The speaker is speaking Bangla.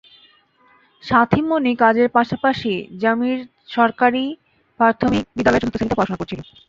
সাথী মণি কাজের পাশাপাশি জামির সরকারি প্রাথমিক বিদ্যালয়ের চতুর্থ শ্রেণিতে পড়াশোনা করছিল।